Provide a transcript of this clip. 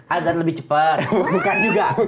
azan lebih cepat bukan juga